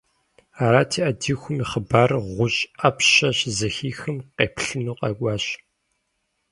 Арати, Ӏэдиихум и хъыбарыр ГъущӀ Ӏэпщэ щызэхихым, къеплъыну къэкӀуащ.